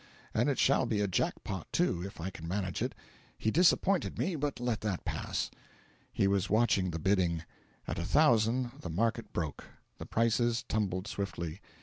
And it shall be a jack pot, too, if I can manage it. He disappointed me, but let that pass.' He was watching the bidding. At a thousand, the market broke: the prices tumbled swiftly.